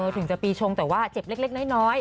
ถึงจะปีชงแต่ว่าเจ็บเล็กน้อย